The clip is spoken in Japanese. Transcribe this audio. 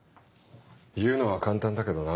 言うのは簡単だけどな